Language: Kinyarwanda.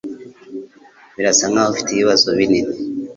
Birasa nkaho ufite ibibazo binini